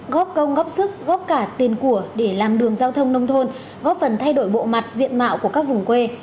góp công góp sức góp cả tiền của để làm đường giao thông nông thôn góp phần thay đổi bộ mặt diện mạo của các vùng quê